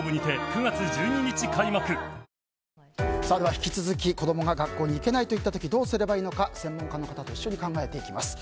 引き続き子供が学校に行けないと言った時どうすればいいのか専門家の方と一緒に考えていきます。